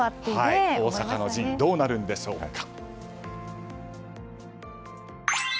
大坂の陣、どうなるんでしょうか。